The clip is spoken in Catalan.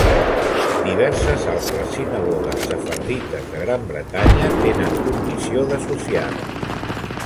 Diverses altres sinagogues sefardites de Gran Bretanya tenen condició d'associades.